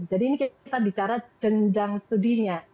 jadi ini kita bicara jenjang studinya